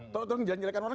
tolong jangan jelekkan orang